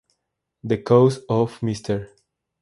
The Case of Mr.